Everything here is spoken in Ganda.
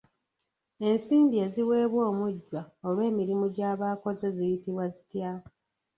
Ensimbi eziweebwa omujjwa olw'emirimu gyaba akoze ziyitibwa zitya?